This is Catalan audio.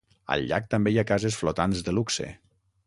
Al llac també hi ha cases flotants de luxe.